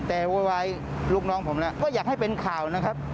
แต่โวยวายลูกน้องผมแล้วก็อยากให้เป็นข่าวนะครับ